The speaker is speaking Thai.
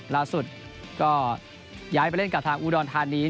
ล่าสุดก็ย้ายไปเล่นกับทางอุดรธานี